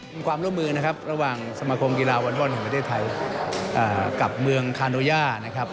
เป็นความร่วมมือนะครับระหว่างสมาคมกีฬาวอลบอลแห่งประเทศไทยกับเมืองคาโดย่านะครับ